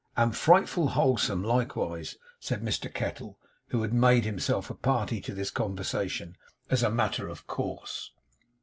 And frightful wholesome, likewise!' said Mr Kettle, who had made himself a party to this conversation as a matter of course.